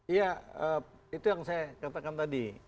iya itu yang saya katakan tadi